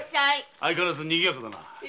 相変わらず賑やかだな。